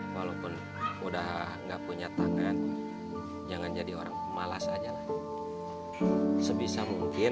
walaupun udah nggak punya tangan jangan jadi orang malas aja lah sebisa mungkin